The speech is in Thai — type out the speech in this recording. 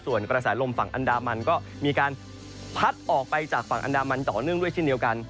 ส่วนกระแสลมฝั่งอันดามันก็มีการพัดออกไปจากฝั่งอันดามันต่อเนื่องด้วยเช่นเดียวกัน